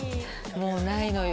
もうないのよ。